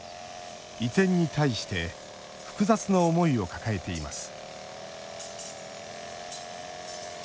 移転に対して複雑な思いを抱えています